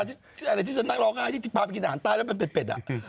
ที่อะไรที่ฉันนั่งร้องไห้ที่พาไปกินอาหารใต้แล้วเป็นเป็ด